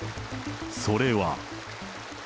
それは。